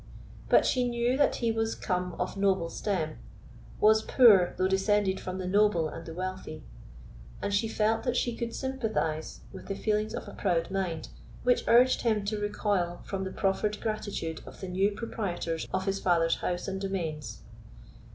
But she knew that he was come of noble stem; was poor, though descended from the noble and the wealthy; and she felt that she could sympathise with the feelings of a proud mind, which urged him to recoil from the proffered gratitude of the new proprietors of his father's house and domains.